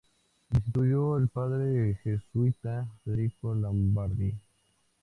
Sustituyó al padre jesuita Federico Lombardi.